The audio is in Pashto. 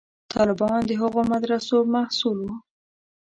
طالبان د هغو مدرسو محصول وو.